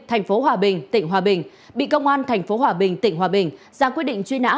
thành phố hòa bình tỉnh hòa bình bị công an tp hòa bình tỉnh hòa bình ra quyết định truy nã